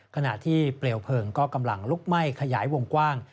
ขณะที่เปลวเพลิงก็กำลังลุกไหม้ขยายวงกว้าง